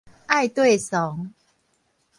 愛綴倯